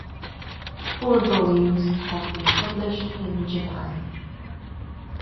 Four volumes have been published in Japan.